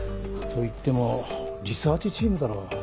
といってもリサーチチームだろ。